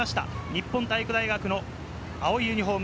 日本体育大学の青いユニホーム。